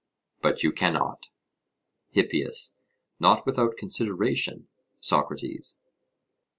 But you cannot. HIPPIAS: Not without consideration, Socrates.